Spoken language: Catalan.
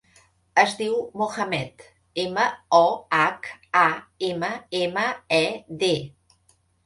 Es diu Mohammed: ema, o, hac, a, ema, ema, e, de.